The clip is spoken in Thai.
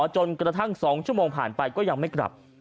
จนกระทั่ง๒ชั่วโมงผ่านไปก็ยังไม่กลับ